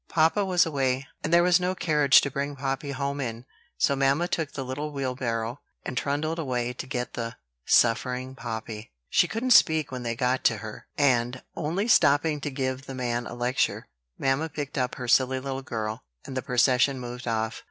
Papa was away, and there was no carriage to bring Poppy home in; so mamma took the little wheelbarrow, and trundled away to get the suffering Poppy. She couldn't speak when they got to her; and, only stopping to give the man a lecture, mamma picked up her silly little girl, and the procession moved off.